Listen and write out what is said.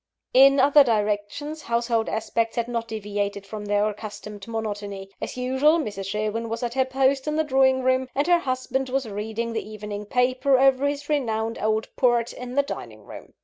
In other directions, household aspects had not deviated from their accustomed monotony. As usual, Mrs. Sherwin was at her post in the drawing room; and her husband was reading the evening paper, over his renowned old port, in the dining room.